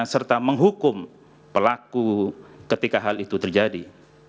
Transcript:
serta menghukum pelaku ketika hal itu terjadi